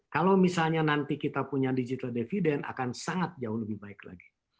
kalau misalnya nanti kita punya digital dividend akan sangat jauh lebih baik lagi